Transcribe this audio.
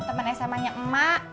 teman sma nya emak